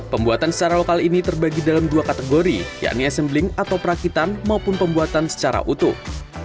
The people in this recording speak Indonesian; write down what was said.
pembuatan secara lokal ini terbagi dalam dua kategori yakni assembling atau perakitan maupun pembuatan secara utuh